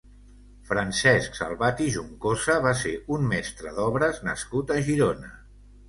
Francesc Salvat i Juncosa va ser un mestre d'obres nascut a Girona.